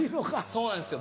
そうなんですよ